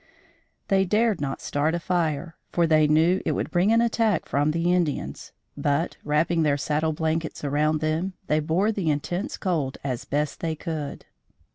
They dared not start a fire; for they knew it would bring an attack from the Indians, but wrapping their saddle blankets around them, they bore the intense cold as best they could.